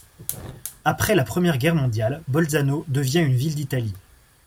Après la Première Guerre mondiale, Bolzano devient une ville d'Italie.